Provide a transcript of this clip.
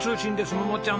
桃ちゃん